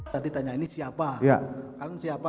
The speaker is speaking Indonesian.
tadi ditanya ini siapa